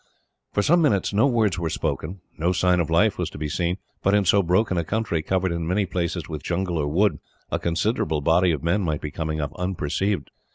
For some minutes, no words were spoken. No sign of life was to be seen; but in so broken a country, covered in many places with jungle or wood, a considerable body of men might be coming up, unperceived.